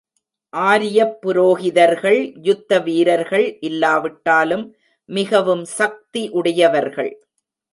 ஆரியப் புரோகிதர்கள் யுத்த வீரர்கள் இல்லாவிட்டாலும் மிகவும் சக்தி உடையவர்கள்.